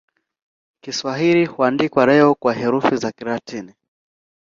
Kiswahili huandikwa leo kwa herufi za Kilatini.